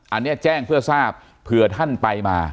อันนี้แจ้งเพื่อทราบเผื่อท่านไปมา